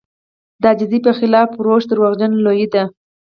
د عاجزي په خلاف روش دروغجنه لويي ده.